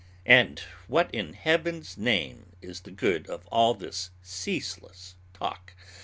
And what in Heaven's name is the good of all this ceaseless talk?